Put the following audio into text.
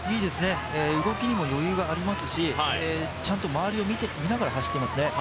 動きにも余裕がありますし、ちゃんと周りを見ながら走っていますね。